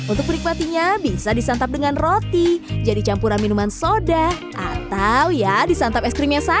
untuk menikmatinya bisa disantap dengan roti jadi campuran minuman soda atau ya disantap es krimnya saja